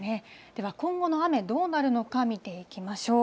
では今後の雨、どうなるのか見ていきましょう。